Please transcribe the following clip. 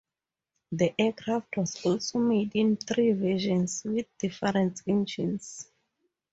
The aircraft was also made in three versions with different engines.